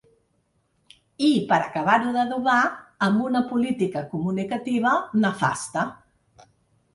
I, per acabar-ho d’adobar, amb una política comunicativa nefasta.